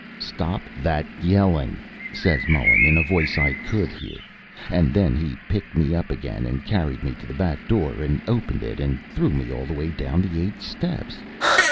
"'Stop that yelling!' says Mullen, in a voice I could hear, and then he picked me up again and carried me to the back door, and opened it and threw me all the way down the eight steps.